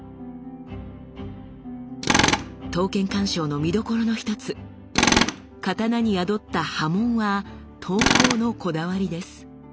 刀剣鑑賞の見どころの一つ刀に宿った刃文は刀工のこだわりです。